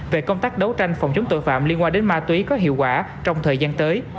về công tác đấu tranh phòng chống tội phạm liên quan đến ma túy có hiệu quả trong thời gian tới